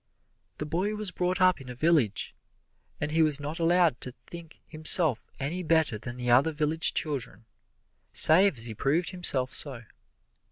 The boy was brought up in a village, and he was not allowed to think himself any better than the other village children, save as he proved himself so.